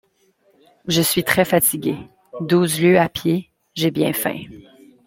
Je suis très fatigué, douze lieues à pied, j’ai bien faim.